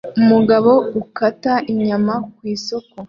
umugabo ukata inyama ku isoko